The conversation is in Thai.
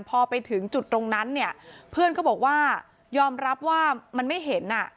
พอไปถึงจุดตรงนั้นเนี่ยเพื่อนก็บอกว่ายอมรับว่ามันไม่เห็นอ่ะ